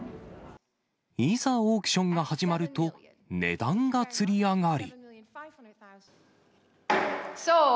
いざ、オークションが始まると値段がつり上がり。